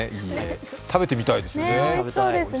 食べてみたいですよね。